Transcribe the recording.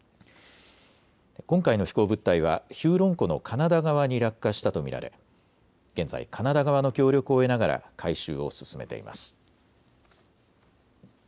今回の飛行物体はヒューロン湖のカナダ側に落下したと見られ現在、カナダ側の協力を得ながら回収を進めています。